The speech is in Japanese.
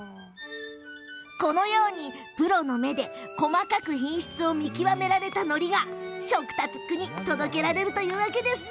このようにプロの目で細かく品質を見極められた、のりが食卓に届けられているんですね。